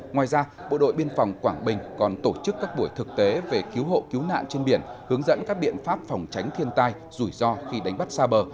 ngoài ra bộ đội biên phòng quảng bình còn tổ chức các buổi thực tế về cứu hộ cứu nạn trên biển hướng dẫn các biện pháp phòng tránh thiên tai rủi ro khi đánh bắt xa bờ